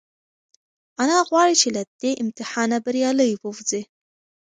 انا غواړي چې له دې امتحانه بریالۍ ووځي.